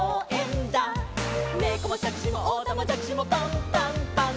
「ねこもしゃくしもおたまじゃくしもパンパンパン！！」